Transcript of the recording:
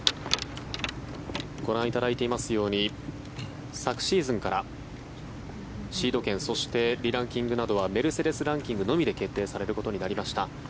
ご覧いただいていますように昨シーズンからシード権そして、リランキングなどはメルセデス・ランキングのみで決定されることになりました。